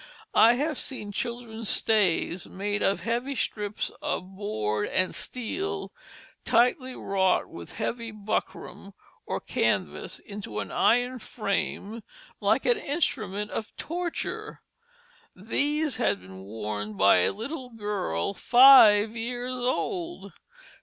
I have seen children's stays, made of heavy strips of board and steel, tightly wrought with heavy buckram or canvas into an iron frame like an instrument of torture. These had been worn by a little girl five years old.